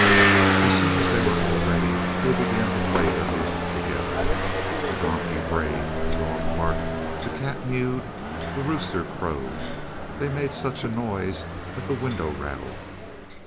As soon as they were all ready they began to play their music together. The donkey brayed, the dog barked, the cat mewed, the rooster crowed. They made such a noise that the window rattled.